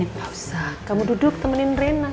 tidak usah kamu duduk temenin rena